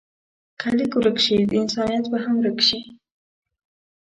که لیک ورک شي، انسانیت به هم ورک شي.